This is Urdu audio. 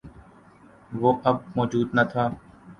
وہ اب موجود نہ تھا۔